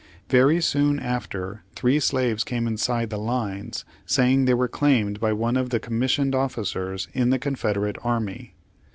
Very soon after three slaves came inside the lines, saying they were claimed by one of the commissioned officers in the Confederate Army.